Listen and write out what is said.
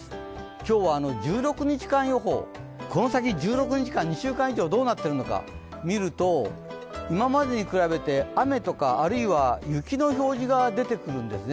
今日は１６日間予報、この先、１６日間、２週間以上、どうなっているのか見ると今までに比べて雨とか雪の表示が出てくるんですね。